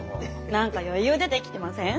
何か余裕出てきてません？